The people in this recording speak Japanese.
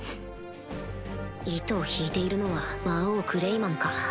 糸を引いているのは魔王クレイマンか。